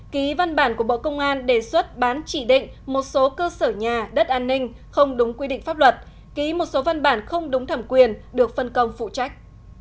ký văn bản của bộ công an đề xuất bán chỉ định một số cơ sở nhà đất an ninh không đúng quy định pháp luật ký một số văn bản không đúng thẩm quyền được phân công phụ trách